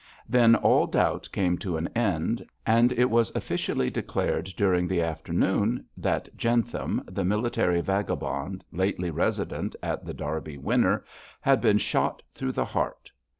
Then all doubt came to an end, and it was officially declared during the afternoon that Jentham, the military vagabond lately resident at The Derby Winner, had been shot through the heart.